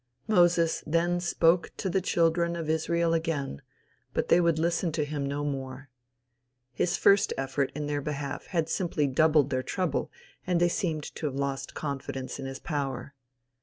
Moses then spoke to the children' of Israel again, but they would listen to him no more. His first effort in their behalf had simply doubled their trouble and they seemed to have lost confidence in his power.